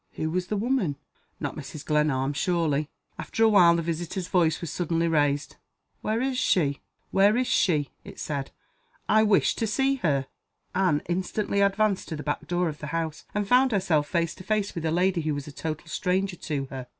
Who was the woman? Not Mrs. Glenarm, surely? After a while the visitor's voice was suddenly raised. "Where is she?" it said. "I wish to see her." Anne instantly advanced to the back door of the house and found herself face to face with a lady who was a total stranger to her.